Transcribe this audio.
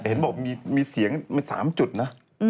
เห็นบอกมีเสียงเป็น๓จุดนะ